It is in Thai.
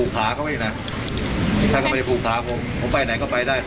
ถ้าเข้าไปไม่ได้ผูกขาผมผมไปไหนก็ไปได้